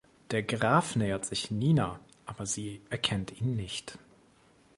Der Graf nähert sich Nina, aber sie erkennt ihn nicht.